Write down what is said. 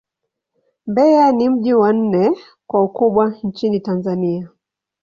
Mbeya ni mji wa nne kwa ukubwa nchini Tanzania.